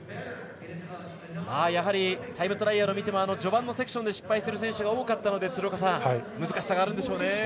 やはりタイムトライアルを見ても序盤のセクションで失敗する選手が多かったので難しさがあるんでしょうね。